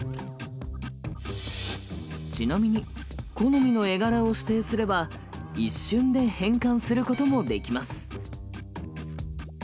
ちなみに好みの絵柄を指定すれば一瞬で変換することもできます。